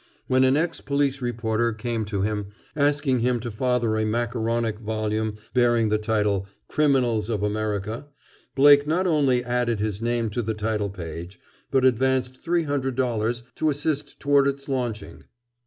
When an ex police reporter came to him, asking him to father a macaronic volume bearing the title "Criminals of America," Blake not only added his name to the title page, but advanced three hundred dollars to assist towards its launching.